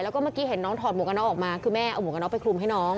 แล้วก็เมื่อกี้เห็นน้องถอดหมวกกันน็อกออกมาคือแม่เอาหมวกกระน็อกไปคลุมให้น้อง